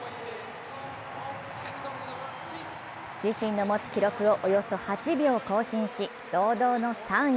自身の持つ記録をおよそ８秒更新し、堂々の３位。